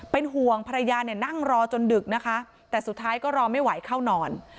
เป็นห่วงภรรยาเนี่ยนั่งรอจนดึกนะคะแต่สุดท้ายก็รอไม่ไหวเข้านอน